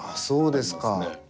そうですか。